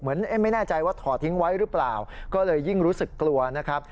ไม่แน่ใจว่าถอดทิ้งไว้หรือเปล่าก็เลยยิ่งรู้สึกกลัวนะครับ